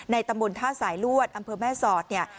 ตำบลท่าสายลวดอำเภอแม่สอดเนี่ย